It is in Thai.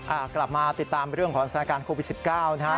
กลับมาติดตามเรื่องของสถานการณ์โควิดสิบเก้านะฮะ